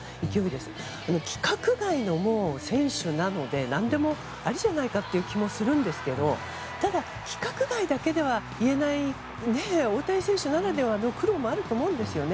でも規格外の選手なので何でもありじゃないかという気もするんですがただ、規格外だけでは言えない大谷選手ならではの苦労もあると思うんですね。